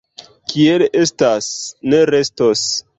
Kiel estas, ne restos.